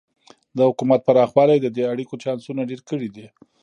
د حکومت پراخوالی د دې اړیکو چانسونه ډېر کړي دي.